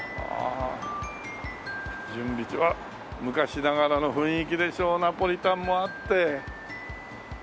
あっ昔ながらの雰囲気でしょナポリタンもあって。